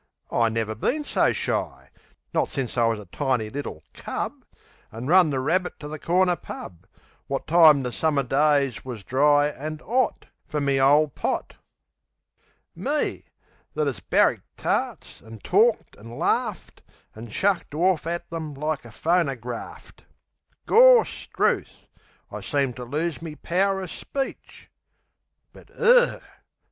I never been so shy. Not since I was a tiny little cub, An' run the rabbit to the corner pub Wot time the Summer days wus dry an' 'ot Fer me ole pot. Me! that 'as barracked tarts, an' torked an' larft, An' chucked orf at 'em like a phonergraft! Gorstrooth! I seemed to lose me pow'r o' speech. But, 'er!